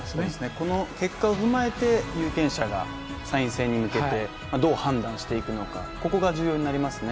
この結果を踏まえて有権者が参院選に向けてどう判断していくのかここが重要になりますね。